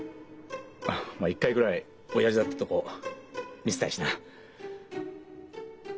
まあ一回ぐらい親父だってとこ見せたいしな。